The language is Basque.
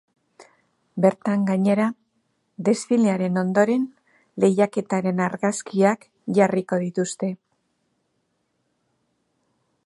Bertan, gainera, desfilearen ondoren, lehiaketaren argazkiak jarriko dituzte.